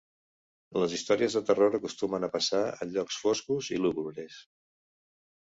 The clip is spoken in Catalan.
Les històries de terror acostumen a passar en llocs foscos i lúgubres.